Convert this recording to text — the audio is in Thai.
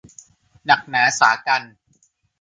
หนักหนาสากรรจ์